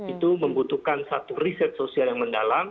itu membutuhkan satu riset sosial yang mendalam